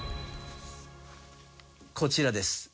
こちらです。